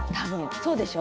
そうでしょ？